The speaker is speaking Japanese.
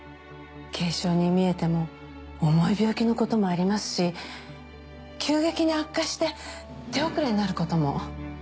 軽症に見えても重い病気のこともありますし急激に悪化して手遅れになることも。